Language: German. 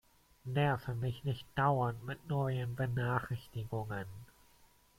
Nerve mich nicht dauernd mit neuen Benachrichtigungen!